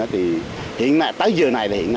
thì hiện nay tới giờ này